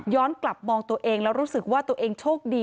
กลับมองตัวเองแล้วรู้สึกว่าตัวเองโชคดี